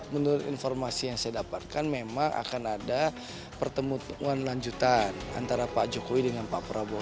menurut informasi yang saya dapatkan memang akan ada pertemuan lanjutan antara pak jokowi dengan pak prabowo